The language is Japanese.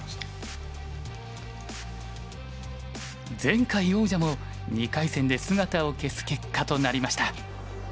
前回王者も２回戦で姿を消す結果となりました。